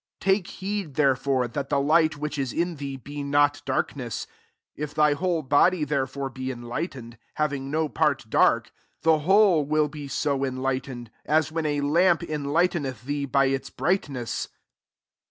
35 Take heed dierelbre, that the light which is in thee be not darkness. 36 If thy whole body therefore 6e enlightened, having no part dark, the whole will be «o en lightened, as when a lamp en lightened! thee by it$ bright ness."